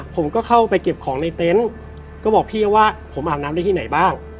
ผมก็เข้าไปเก็บของในเต็นต์ก็บอกพี่ว่าผมอาบน้ำได้ที่ไหนบ้าง